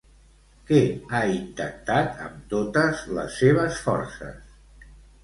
Què ha intentat amb totes les seves forces?